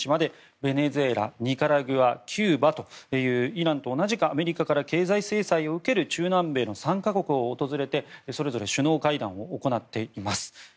ベネズエラ、ニカラグアキューバとイランと同じくアメリカから経済制裁を受ける中南米の３か国を訪れてそれぞれ首脳会談を行っています。